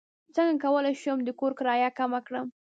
څنګه کولی شم د کور کرایه کمه کړم